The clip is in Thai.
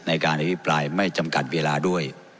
ในการอภิปรายไม่จำกัดเวลาด้วย